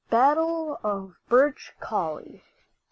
BATTLE OF BIRCH COULIE.